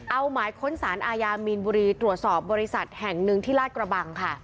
เอาหมายค้นสารอาญามีนบุรีตรวจสอบบริษัทแห่งหนึ่งที่ลาดกระบังค่ะ